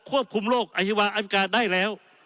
ควบคุมโรคอฮิวาอริกาได้แล้ว